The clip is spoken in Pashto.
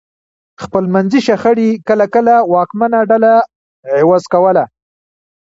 خپلمنځي شخړې کله کله واکمنه ډله عوض کوله.